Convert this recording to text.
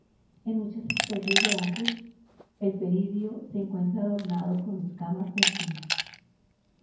En muchas especies de hongos, el peridio se encuentra adornado con escamas o espinas.